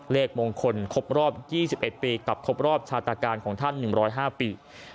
เลขมงคลครบรอบ๒๑ปีกับครบรอบชาตาการของท่าน๑๐๕ปี